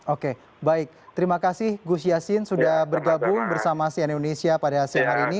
oke baik terima kasih gus yassin sudah bergabung bersama sian indonesia pada sehari ini